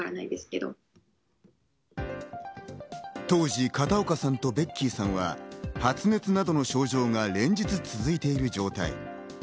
当時、片岡さんとベッキーさんは発熱などの症状が連日続いている状態。